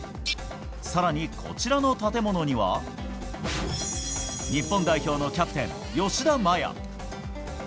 さらにこちらの建物には、日本代表のキャプテン、吉田麻也。